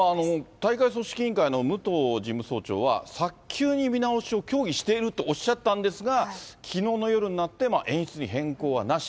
大会組織委員会の武藤事務総長は、早急に見直しを協議しているとおっしゃったんですが、きのうの夜になって、演出に変更はなし。